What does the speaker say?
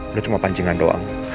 itu cuma pancingan doang